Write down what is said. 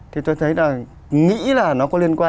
thì tôi thấy là nghĩ là nó có liên quan